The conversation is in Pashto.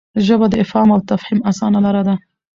ژبه د افهام او تفهیم اسانه لار ده.